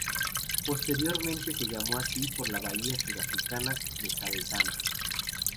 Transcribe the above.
Posteriormente se llamó así por la bahía sudafricana de Saldanha.